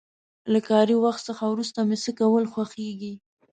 له کاري وخت وروسته مې څه کول خوښيږي؟